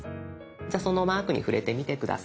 じゃあそのマークに触れてみて下さい。